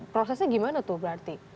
prosesnya gimana tuh berarti